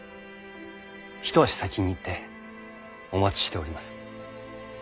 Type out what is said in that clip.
一足先に行ってお待ちしております。